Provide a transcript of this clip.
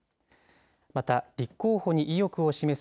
また、立候補に意欲を示す